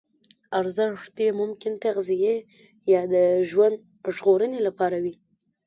ارزښت یې ممکن نغدي یا د ژوند ژغورنې لپاره وي.